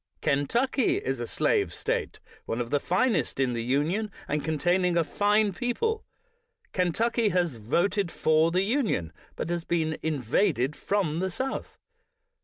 Kentucky is a slave State, one of the finest in the Union, and containing a fine people; Ken tucky has voted for the Union, but has been in vaded from the South.